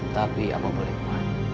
tapi apa boleh kuat